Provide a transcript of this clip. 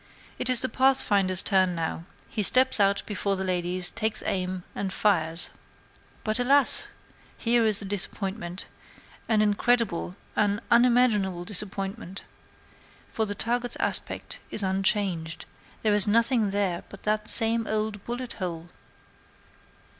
It is the Pathfinder's turn now; he steps out before the ladies, takes aim, and fires. But, alas! here is a disappointment; an incredible, an unimaginable disappointment for the target's aspect is unchanged; there is nothing there but that same old bullet hole!